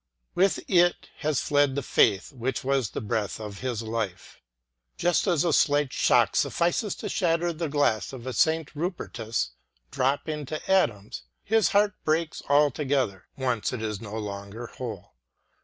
With it has fled the faith which was the breath of his life. Just as a slight shock suffices to shatter the glass of a St. Rupertus ' drop into atoms, his heart breaks alto^ 116 BEYOND HUMAN POWER gether, once it is no longer whole.